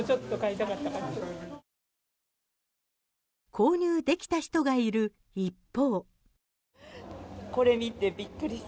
購入できた人がいる一方。